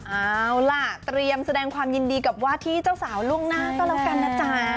เอาล่ะเตรียมแสดงความยินดีกับว่าที่เจ้าสาวล่วงหน้าก็แล้วกันนะจ๊ะ